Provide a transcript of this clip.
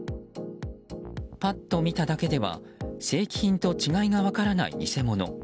パッと見ただけでは正規品と違いが分からない偽物。